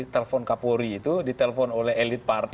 telpon kapolri itu ditelepon oleh elit partai